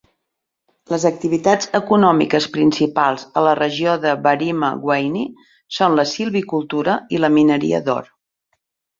Les activitats econòmiques principals a la regió de Barima-Waini són la silvicultura i la mineria d'or.